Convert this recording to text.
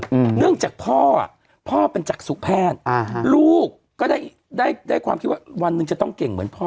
อืมเนื่องจากพ่ออ่ะพ่อพ่อเป็นจักษุแพทย์อ่าฮะลูกก็ได้ได้ความคิดว่าวันหนึ่งจะต้องเก่งเหมือนพ่อ